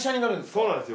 そうなんですよ。